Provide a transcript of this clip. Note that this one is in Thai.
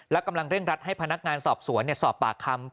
และกำลังเร่งรัดให้พนักงานสอบสวนสอบปากคำ